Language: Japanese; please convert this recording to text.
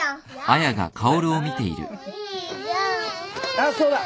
あっそうだ。